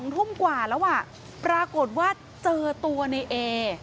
ทุ่มกว่าแล้วปรากฏว่าเจอตัวในเอ